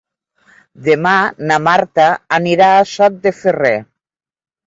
Demà na Marta anirà a Sot de Ferrer.